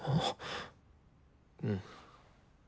うん。